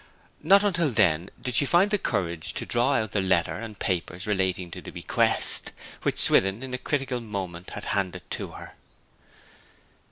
Not until then did she find courage to draw out the letter and papers relating to the bequest, which Swithin in a critical moment had handed to her.